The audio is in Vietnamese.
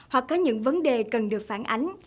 hoặc có những vấn đề cần được phản ánh